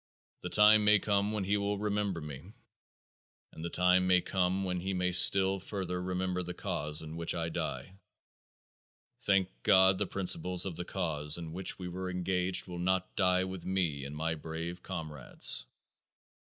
The time may come when he will remember me. And the time may come when he may still further remember the cause in which I die. Thank God the principles of the cause in which we were engaged will not die with me and my brave comrades.